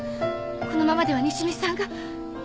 このままでは西見さんが。